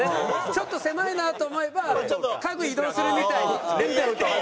ちょっと狭いなと思えば家具移動するみたいに。